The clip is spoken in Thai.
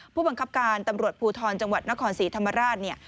ผู้บังคับการตำรวจภูทรจังหวัดนครศรีธรรมราชเนี่ย